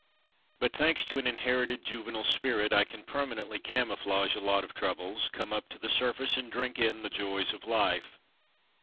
But, thanks to an inherited juvenile spirit, I can permanently camouflage a lot of troubles, come up to the surface, and drink in the joys of life.